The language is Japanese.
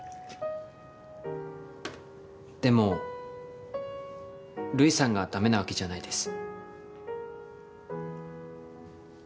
でもルイさんがだめなわけじゃないです。